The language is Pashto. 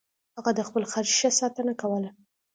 هغه د خپل خر ښه ساتنه کوله.